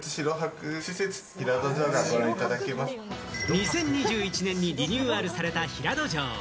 ２０２１年にリニューアルされた平戸城。